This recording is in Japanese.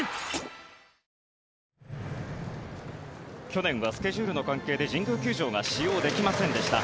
去年はスケジュールの関係で神宮球場が使用できませんでした。